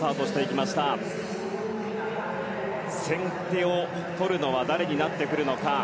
先手を取るのは誰になってくるのか。